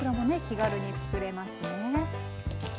気軽に作れますね。